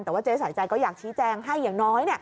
แต่ว่าเจ๊สายใจก็อยากชี้แจงให้อย่างน้อย